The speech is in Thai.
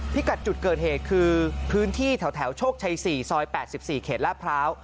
กัดจุดเกิดเหตุคือพื้นที่แถวโชคชัย๔ซอย๘๔เขตลาดพร้าว